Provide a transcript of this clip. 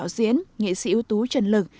cho đạo diễn nghệ sĩ ưu tú trần lực